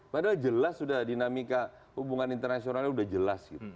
padahal jelas sudah dinamika hubungan internasionalnya sudah jelas gitu